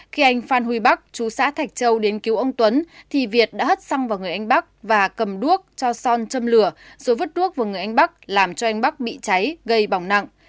khi anh phan huy bắc chú xã thạch châu đến cứu ông tuấn thì việt đã hất xăng vào người anh bắc và cầm đuốc cho son châm châm lửa rồi vứt đuốc vào người anh bắc làm cho anh bắc bị cháy gây bỏng nặng